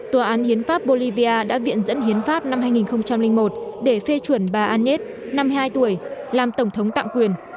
tòa án hiến pháp bolivia đã viện dẫn hiến pháp năm hai nghìn một để phê chuẩn bà anet năm mươi hai tuổi làm tổng thống tạm quyền